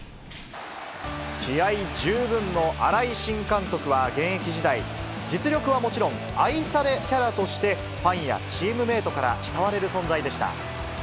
気合い十分の新井新監督は、現役時代、実力はもちろん、愛されキャラとして、ファンやチームメートから慕われる存在でした。